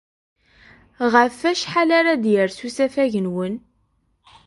Ɣef wacḥal ara d-yers usafag-nwen?